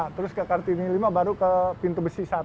terus ke kartini lima baru ke pintu besi satu